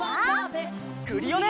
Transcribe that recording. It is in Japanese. クリオネ！